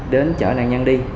đến chở nạn nhân đi